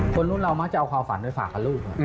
คนรุ่นเรามักจะเอาความฝันไปฝากกับลูก